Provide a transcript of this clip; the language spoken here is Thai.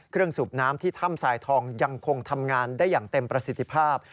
สูบน้ำที่ถ้ำสายทองยังคงทำงานได้อย่างเต็มประสิทธิภาพ